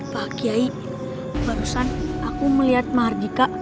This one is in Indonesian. pak kiai barusan aku melihat mahardika